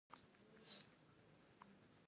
دې پړاوونو ته د بودیجې دوران وایي.